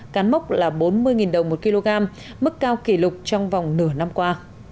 cán mốc là bốn mươi đồng một kg mức cao kỷ lục trong vòng nửa năm qua